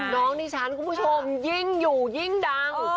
น้องดิฉันคุณผู้ชมยิ่งอยู่ยิ่งดัง